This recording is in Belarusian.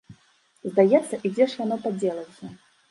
Здаецца, і дзе ж яно падзелася?